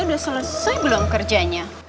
udah selesai belum kerjanya